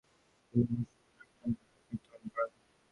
তিনি মুর্শিদাবাদে হৃদরোগে আক্রান্ত হয়ে মৃত্যুবরণ করেন।